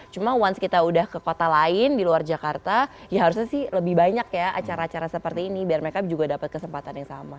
cuma once kita udah ke kota lain di luar jakarta ya harusnya sih lebih banyak ya acara acara seperti ini biar mereka juga dapat kesempatan yang sama